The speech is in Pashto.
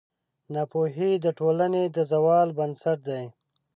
ناپوهي د ټولنې د زوال بنسټ دی.